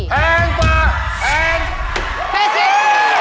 แพงกว่าแพงสิ